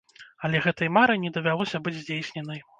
Але гэтай мары не давялося быць здзейсненай.